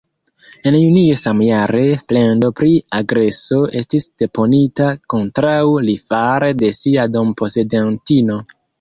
En junio samjare, plendo pri agreso estis deponita kontraŭ li fare de sia dom-posedantino.